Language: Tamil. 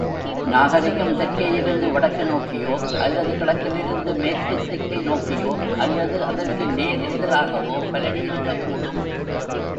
நாகரிகம் தெற்கேயிருந்து வடக்கு நோக்கியோ, அல்லது கிழக்கிலிருந்து மேற்குத் திக்கை நோக்கியோ அல்லது அதற்கு நேர் எதிராகவோ பரவியிருக்கக்கூடும்.